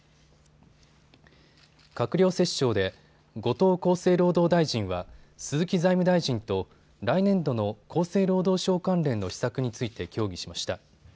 閣僚折衝で後藤厚生労働大臣は鈴木財務大臣と来年度の厚生労働省関連の施策について協議しました。